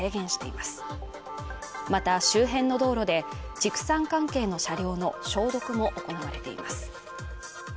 また周辺の道路で畜産関係の車両の消毒も行われています